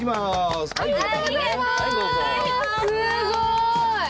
すごい！